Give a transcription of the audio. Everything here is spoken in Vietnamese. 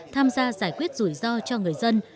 tham gia giải quyết rủi ro cho người dân